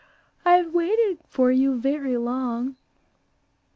I have waited for you very long."